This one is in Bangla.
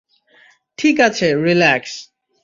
ঠিক আছে রিল্যাক্স।